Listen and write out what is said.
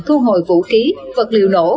thu hồi vũ khí vật liều nổ